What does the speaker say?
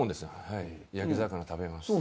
「はい焼き魚食べました」